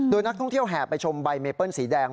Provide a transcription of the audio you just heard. โดยนักท่องเที่ยวแห่ไปชมใบเมเปิ้ลสีแดง